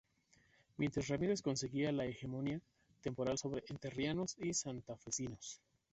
Mientras Ramírez conseguía la hegemonía temporal sobre entrerrianos y santafesinos.